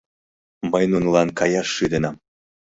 Мый нунылан каяш шӱденам.